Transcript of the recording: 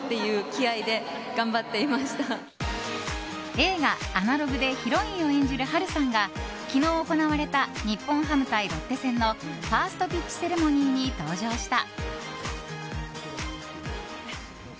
映画「アナログ」でヒロインを演じる波瑠さんが昨日行われた日本ハム対ロッテ戦のファーストピッチセレモニーに登場した。